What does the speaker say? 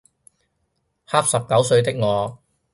恰十九歲的我